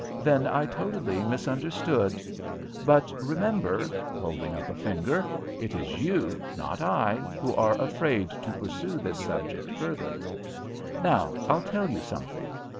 "Then I totally misunderstood. But remember" holding up a finger "it is you, not I, who are afraid to pursue this subject further. Now, I'll tell you something."